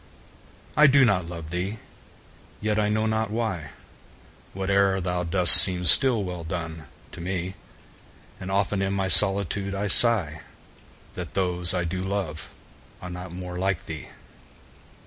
I do not love thee!—yet, I know not why, 5 Whate'er thou dost seems still well done, to me: And often in my solitude I sigh That those I do love are not more like thee!